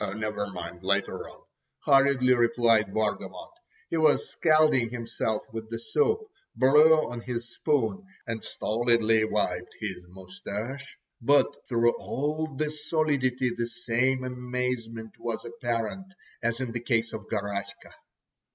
"Never mind——later on," hurriedly replied Bargamot. He was scalding himself with the soup, blew on his spoon, and stolidly wiped his moustache—but through all this solidity the same amazement was apparent, as in the case of Garaska.